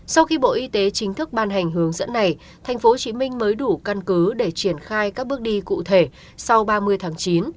sau khi bộ y tế chính thức ban hành hướng dẫn này tp hcm mới đủ căn cứ để triển khai các bước đi cụ thể sau ba mươi tháng chín